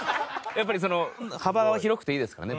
やっぱり幅は広くていいですからね